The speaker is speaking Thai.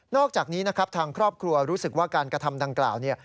อกจากนี้นะครับทางครอบครัวรู้สึกว่าการกระทำดังกล่าวเนี่ย